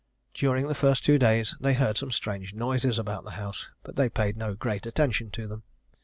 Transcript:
During the first two days they heard some strange noises about the house, but they paid no great attention to them.